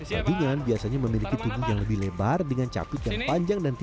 padingan biasanya memiliki tubuh yang lebih lebar dengan capit yang panjang